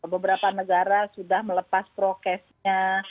beberapa negara sudah melepas prokesnya